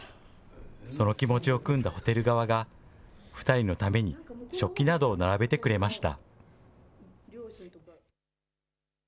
その気持ちをくんだホテル側が、２人のために食器などを並べてくれました。